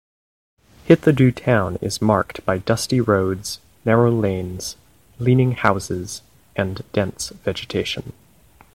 Hithadhoo Town is marked by dusty roads, narrow lanes, leaning houses and dense vegetation.